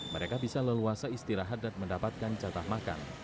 mereka bisa leluasa istirahat dan mendapatkan jatah makan